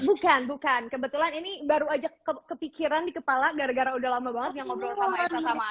bukan bukan kebetulan ini baru aja kepikiran di kepala gara gara udah lama banget yang ngobrol sama elsa